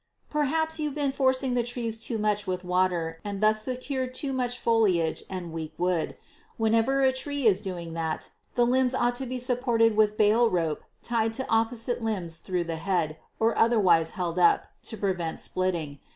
Perhaps you have been forcing the trees too much with water and thus secured too much foliage and weak wood. Whenever a tree is doing that, the limbs ought to be supported with bale rope tied to opposite limbs through the head, or otherwise held up, to prevent splitting.